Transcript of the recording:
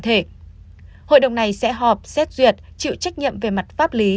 hội đồng này sẽ họp xét duyệt chịu trách nhiệm về mặt pháp lý